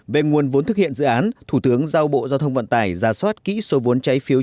về nguồn vốn thực hiện dự án thủ tướng giao bộ giao thông vận tải ra soát kỹ số vốn trái phiếu